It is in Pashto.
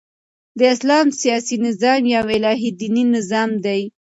د اسلام سیاسي نظام یو الهي دیني نظام دئ.